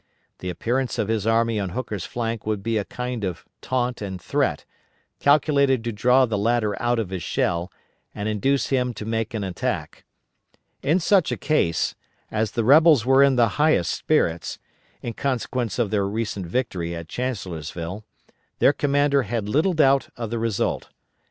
* The appearance of his army on Hooker's flank would be a kind of taunt and threat, calculated to draw the latter out of his shell, and induce him to make an attack. In such a case, as the rebels were in the highest spirits, in consequence of their recent victory at Chancellorsville, their commander had little doubt of the result.